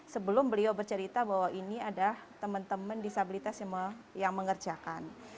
sebelum beliau bercerita bahwa ini adalah teman teman disabilitas yang mengerjakan